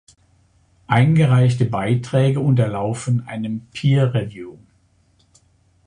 Eingereichte Beiträge unterlaufen einem Peer Review.